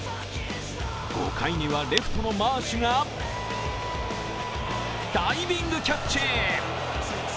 ５回にはレフトのマーシュがダイビングキャッチ。